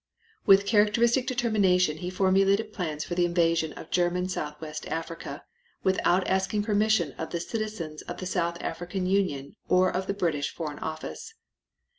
With characteristic determination he formulated plans for the invasion of German Southwest Africa without asking permission of the citizens of the South African Union or of the British Foreign Office.